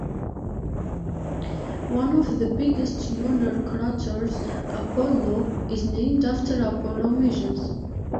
One of the biggest lunar craters, Apollo, is named after Apollo missions.